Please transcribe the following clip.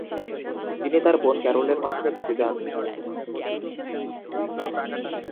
তিনি তার বোন ক্যারলের মাধ্যমে বেঁচে যান।